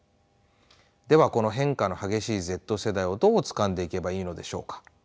ではこの変化の激しいＺ世代をどうつかんでいけばいいのでしょうか。